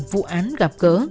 vụ án gặp cỡ